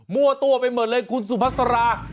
วัวตัวไปหมดเลยคุณสุภาษา